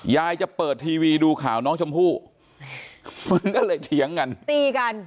จะเปิดทีวีดูข่าวน้องชมพู่มันก็เลยเถียงกันตีกัน